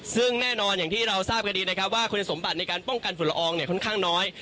ซึ่งแน่นอนอย่างที่เราทราบกันดีนะครับว่าคุณสมบัติในการป้องกันฝุ่นละอองเนี่ยค่อนข้างน้อย